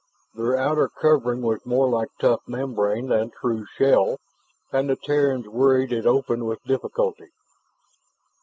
Their outer covering was more like tough membrane than true shell, and the Terrans worried it open with difficulty.